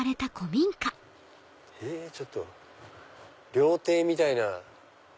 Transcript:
ちょっと料亭みたいな。